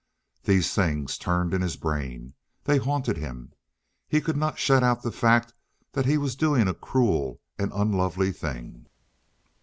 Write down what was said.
These things turned in his brain. They haunted him. He could not shut out the fact that he was doing a cruel and unlovely thing.